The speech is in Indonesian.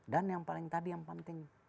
dan yang paling tadi yang penting